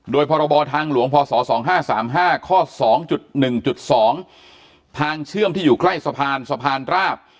โดยพรบทางหลวงพศ๒๕๓๕ข้อ๒๑๒ทางเชื่อมที่อยู่ใกล้สะพานสะพานราบ